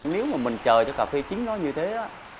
nếu mà mình chờ cho cà phê chín nó như thế